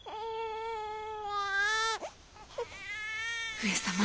上様。